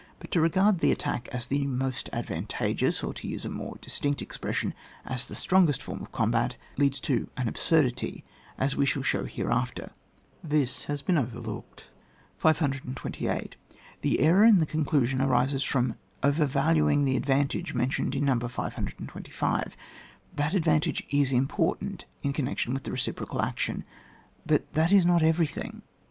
But to regard the attack as the most advantageous, or, to use a more distinct expression, as the strongest form of combat leads to an absurdity, as we shall show hereafter. This has been over looked. 528. The error in the conclusion arises from over valuing the advantage men tioned in No. 525. That advantage is important in connection with the reci procal action, but that is not everything.